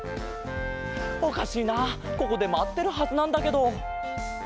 おかしいなここでまってるはずなんだけど。